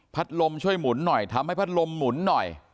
ลมช่วยหมุนหน่อยทำให้พัดลมหมุนหน่อย